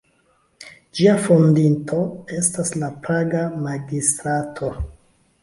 Ĝia fondinto estas la praga magistrato.